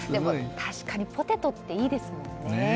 確かにポテトっていいですよね。